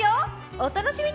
お楽しみに！